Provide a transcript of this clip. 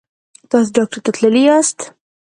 تاسو ډاکټر ته تللي یاست؟